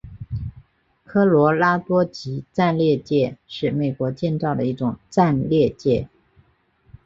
科罗拉多级战列舰是美国建造的一种战列舰。